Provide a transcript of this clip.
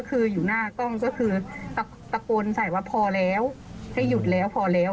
คืออยู่หน้ากล้องก็คือตะโกนใส่ว่าพอแล้วให้หยุดแล้วพอแล้ว